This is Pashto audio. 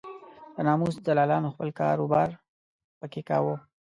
د ناموس دلالانو خپل کار و بار په کې کاوه.